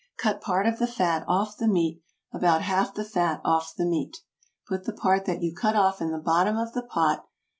Cut part of the fat off the meat, about half the fat off the meat. Put the part that you cut off in the bottom of the pot.